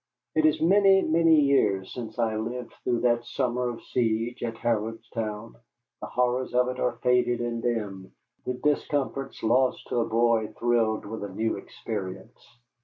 It is many, many years since I lived through that summer of siege in Harrodstown, the horrors of it are faded and dim, the discomforts lost to a boy thrilled with a new experience.